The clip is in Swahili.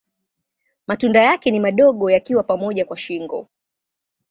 Matunda yake ni madogo yakiwa pamoja kwa shingo.